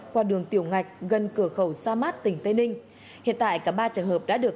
qua đường tiểu ngạch gần cửa khẩu sa mát tỉnh tây ninh hiện tại cả ba trường hợp đã được